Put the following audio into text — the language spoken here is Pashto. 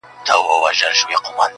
کيسه د عبرت بڼه اخلي تل